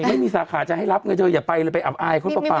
ไม่มีสาขาจะให้รับไงเธออย่าไปเลยไปอับอายเขาเปล่า